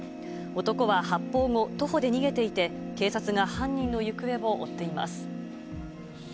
男は発砲後、徒歩で逃げていて、警察が犯人の行方を追っています。